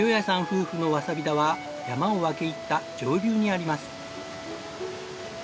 夫婦のわさび田は山を分け入った上流にあります。